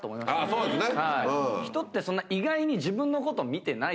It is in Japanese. そうですね。